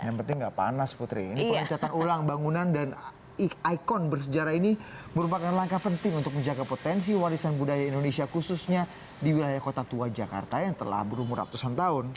yang penting gak panas putri ini pengecatan ulang bangunan dan ikon bersejarah ini merupakan langkah penting untuk menjaga potensi warisan budaya indonesia khususnya di wilayah kota tua jakarta yang telah berumur ratusan tahun